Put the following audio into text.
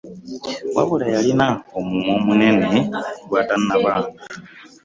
Wabula yalina omumwa omunene gwatanabang.